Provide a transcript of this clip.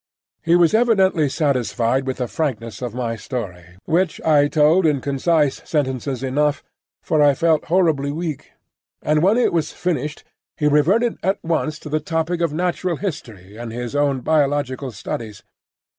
He was evidently satisfied with the frankness of my story, which I told in concise sentences enough, for I felt horribly weak; and when it was finished he reverted at once to the topic of Natural History and his own biological studies.